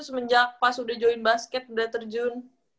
semenjak pas udah join basket udah terjun